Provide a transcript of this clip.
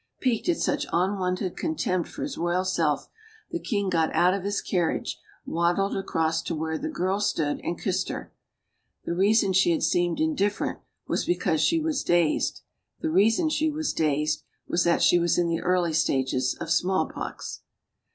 Piqued at such unwonted contempt for his royal self, the king got out of his carriage, waddled across to where the girl stood, and kissed her. The reason she had seemed indifferent was because she was dazed. The reason she was dazed was that she was in the early stages of smallpox.